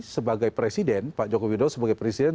sebagai presiden pak jokowi daud sebagai presiden